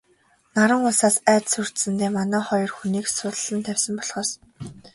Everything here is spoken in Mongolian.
Наран улсаас айж сүрдсэндээ манай хоёр хүнийг суллан тавьсан болохоос...